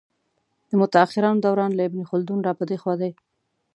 د متاخرانو دوران له ابن خلدون را په دې خوا دی.